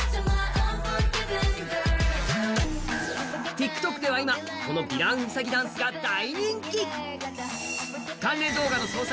ＴｉｋＴｏｋでは今ヴィランウサギダンスが大人気！